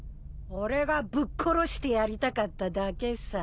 俺がぶっ殺してやりたかっただけさ。